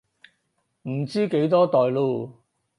唔知幾多代囉